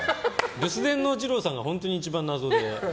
留守電の二朗さんが一番謎で。